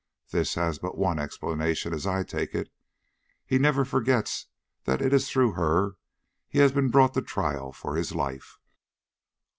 This has but one explanation as I take it. He never forgets that it is through her he has been brought to trial for his life."